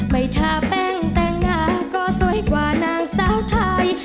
ไม่ท้าแป้งแต่งหน้าก็สวยกว่านางสาวไทย